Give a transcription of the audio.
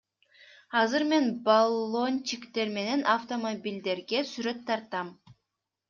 Азыр мен баллончиктер менен автомобилдерге сүрөт тартам.